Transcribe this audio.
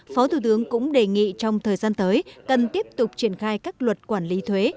phó thủ tướng cũng đề nghị trong thời gian tới cần tiếp tục triển khai các luật quản lý thuế